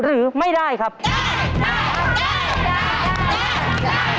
กล่อข้าวหลามใส่กระบอกภายในเวลา๓นาที